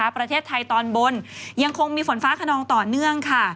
ประเทศไทยตอนบนยังคงมีฝนฟ้าขนองต่อเนื่องค่ะ